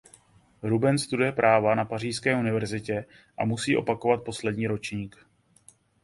Ruben studuje práva na pařížské univerzitě a musí opakovat poslední ročník.